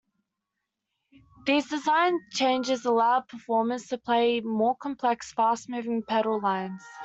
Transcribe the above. These design changes allowed performers to play more complex, fast-moving pedal lines.